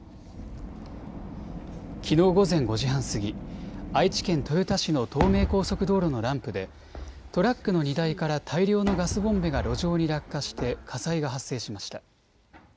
きのう午前５時半過ぎ、愛知県豊田市の東名高速道路のランプで、トラックの荷台から大量のガスボンベが路上に落下して火災が発生しました。